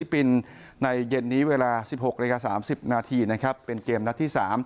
ฟิลิปปินท์ในเย็นนี้เวลา๑๖๓๐เป็นเกมนัดที่๓